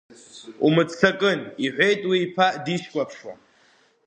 Умыццакын, – иҳәеит уи иԥа дишьклаԥшуа.